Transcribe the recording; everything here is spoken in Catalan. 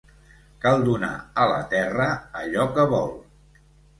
Cal donar a la terra allò que vol.